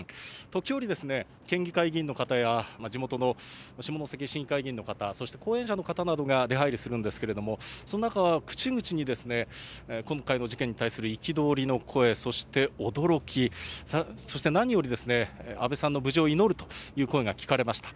時折、県議会議員の方や、地元の下関市議会議員の方、そして後援者の方などが出はいりするんですけれども、そんな中、口々に、今回の事件に対する憤りの声、そして驚き、そして何より安倍さんの無事を祈るという声が聞かれました。